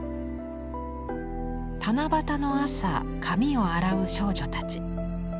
七夕の朝髪を洗う少女たち。